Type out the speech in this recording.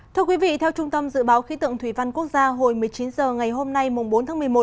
thưa quý vị theo trung tâm dự báo khí tượng thủy văn quốc gia hồi một mươi chín h ngày hôm nay bốn tháng một mươi một